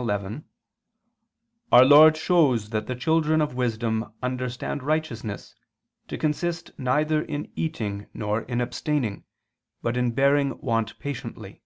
11): "Our Lord shows that the children of wisdom understand righteousness to consist neither in eating nor in abstaining, but in bearing want patiently."